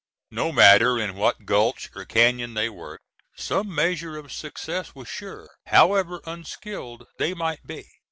No matter in what gulch or cañon they worked, some measure of success was sure, however unskillful they might be.